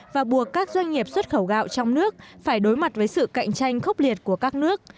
và buộc các doanh nghiệp xuất khẩu gạo trong nước phải đối mặt với sự cạnh tranh khốc liệt của các nước